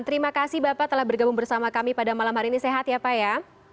terima kasih bapak telah bergabung bersama kami pada malam hari ini sehat ya pak ya